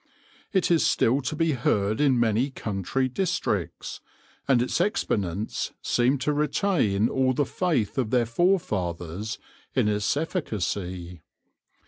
It is still to be heard in many country districts, and its exponents seem to retain all the faith of their forefathers in its efficacy.